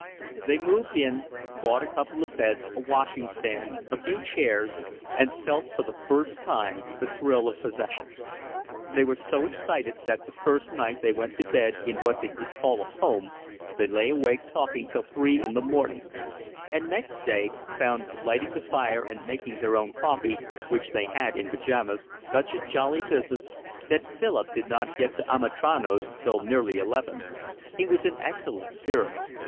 They moved in, bought a couple of beds, a washing stand, a few chairs, and felt for the first time the thrill of possession. They were so excited that the first night they went to bed in what they could call a home they lay awake talking till three in the morning; and next day found lighting the fire and making their own coffee, which they had in pyjamas, such a jolly business that Philip did not get to Amitrano's till nearly eleven. He was in excellent spirits.